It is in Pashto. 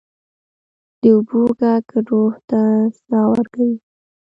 د اوبو ږغ روح ته ساه ورکوي.